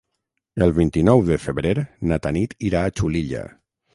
El vint-i-nou de febrer na Tanit irà a Xulilla.